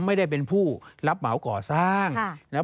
มีกี่ห้องกี่ครูหากี่ล็อกยังไง